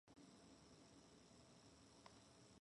"Doc" Pennington, a wealthy oilman from Louisiana.